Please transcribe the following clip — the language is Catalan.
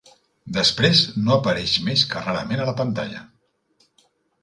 Després no apareix més que rarament a la pantalla.